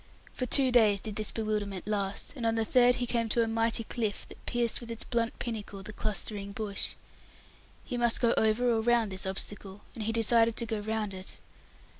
For two days did this bewilderment last, and on the third he came to a mighty cliff that pierced with its blunt pinnacle the clustering bush. He must go over or round this obstacle, and he decided to go round it.